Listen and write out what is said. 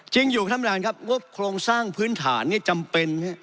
จึงอยู่ทำลังครับงบโครงสร้างพื้นฐานเนี้ยจำเป็นเนี้ย